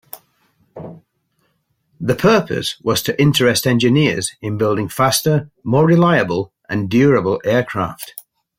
The purpose was to interest engineers in building faster, more reliable, and durable aircraft.